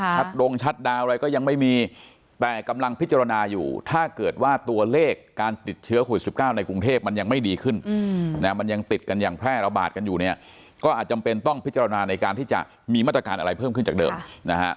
ดงชัดดาวนอะไรก็ยังไม่มีแต่กำลังพิจารณาอยู่ถ้าเกิดว่าตัวเลขการติดเชื้อโควิด๑๙ในกรุงเทพมันยังไม่ดีขึ้นนะมันยังติดกันอย่างแพร่ระบาดกันอยู่เนี่ยก็อาจจำเป็นต้องพิจารณาในการที่จะมีมาตรการอะไรเพิ่มขึ้นจากเดิมนะฮะ